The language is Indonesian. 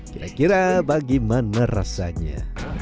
kira kira bagaimana rasanya